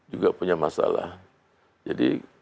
juga punya masalah jadi